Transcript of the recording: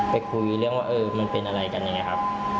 คุยเรื่องว่าเออมันเป็นอะไรกันยังไงครับ